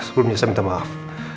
sebelumnya saya minta maaf